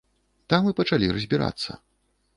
Там і пачалі разбірацца.